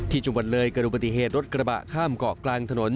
ที่จุงวันเลยเกิดลูกปฏิเหตุรถกระบะข้ามเกาะกลางถนน